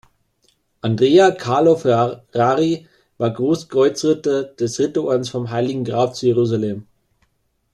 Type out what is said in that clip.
Andrea Carlo Ferrari war Großkreuzritter des Ritterordens vom Heiligen Grab zu Jerusalem.